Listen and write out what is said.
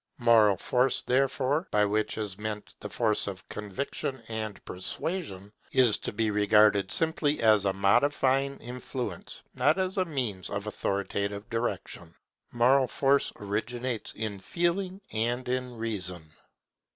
Moral force, therefore, by which is meant the force of conviction and persuasion, is to be regarded simply as a modifying influence, not as a means of authoritative direction. Moral force originates in Feeling and in Reason.